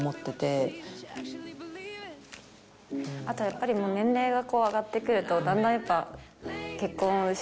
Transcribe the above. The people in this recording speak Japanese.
あとやっぱりもう年齢がこう上がってくるとだんだんやっぱ。